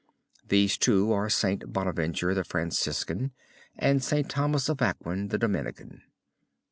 These two are St. Bonaventure, the Franciscan, and St. Thomas of Aquin, the Dominican.